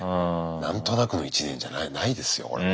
何となくの１年じゃないですよこれは。